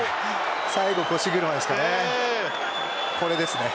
最後、腰車でしたね。